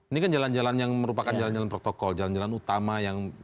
ini kan jalan jalan yang merupakan jalan jalan protokol jalan jalan utama yang